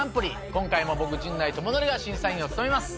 今回も僕陣内智則が審査員を務めます。